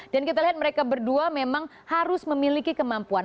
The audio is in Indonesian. dan kita lihat mereka berdua memang harus memiliki kemampuan